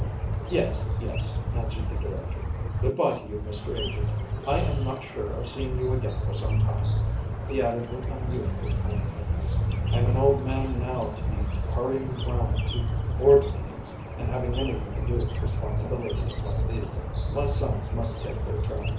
"Yes, yes," answered the director. "Good bye to you, Mr. Agent! I am not sure of seeing you again for some time," he added with unusual kindliness. "I am an old man now to be hurrying round to board meetings and having anything to do with responsibilities like these. My sons must take their turn."